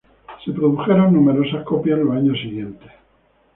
Se produjeron numerosas copias en los años siguientes.